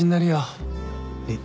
えっ？